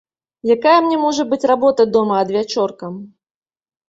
Якая мне можа быць работа дома адвячоркам?